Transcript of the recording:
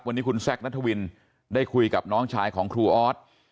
วันนี้คุณแซคนัทวินได้คุยกับน้องชายของครูออส